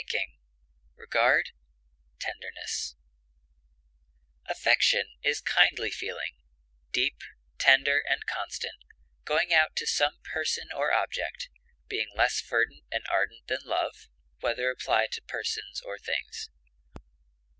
attraction, fondness, Affection is kindly feeling, deep, tender, and constant, going out to some person or object, being less fervent and ardent than love, whether applied to persons or things.